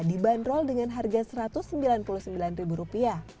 dibanderol dengan harga rp satu ratus sembilan puluh sembilan